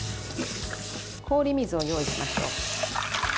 氷水を用意しましょう。